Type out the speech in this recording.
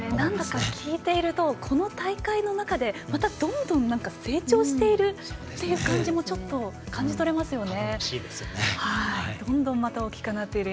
聞いているとこの大会の中でまたどんどん成長しているという感じもちょっと感じ取れますよね。